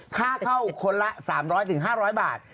ค่าเข้าคนละ๓๐๐๕๐๐บาท